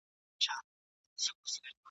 ددې شعر د یوې برخي ویډیو !.